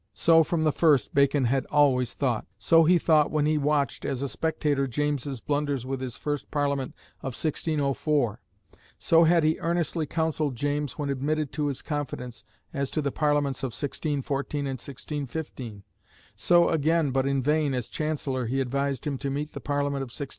So from the first had Bacon always thought; so he thought when he watched, as a spectator, James's blunders with his first Parliament of 1604; so had he earnestly counselled James, when admitted to his confidence, as to the Parliaments of 1614 and 1615; so again, but in vain, as Chancellor, he advised him to meet the Parliament of 1620.